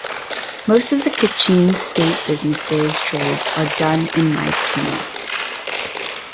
Most of Kachin State business trades are done in Myitkyina.